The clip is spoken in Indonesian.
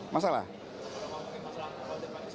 masalah politik praktis